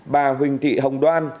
bà huỳnh thị hồng đoan